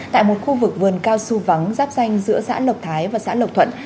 tại một khu vực vườn cao su vắng giáp danh giữa xã lộc thái và xã lộc thuận